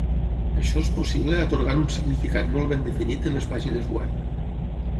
Això és possible atorgant un significat molt ben definit en les pàgines web.